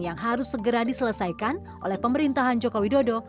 yang harus segera diselesaikan oleh pemerintahan jokowi dodo